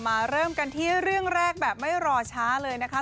เริ่มกันที่เรื่องแรกแบบไม่รอช้าเลยนะคะ